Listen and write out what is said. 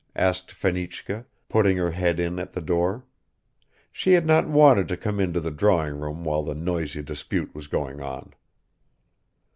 asked Fenichka, putting her head in at the door; she had not wanted to come into the drawing room while the noisy dispute was going on.